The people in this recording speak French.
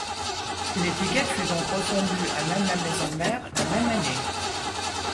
L'étiquette fut donc refondue à même la maison mère la même année.